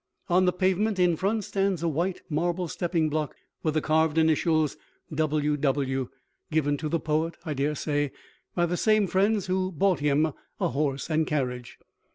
On the pavement in front stands a white marble stepping block with the carved initials W.W. given to the poet, I dare say, by the same friends who bought him a horse and carriage.